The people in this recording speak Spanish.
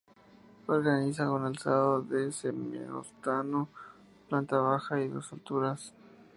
Organiza su alzado en semisótano, planta baja, y dos alturas.